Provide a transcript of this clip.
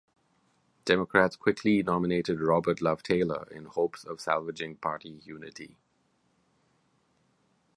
Democrats quickly nominated Robert Love Taylor in hopes of salvaging party unity.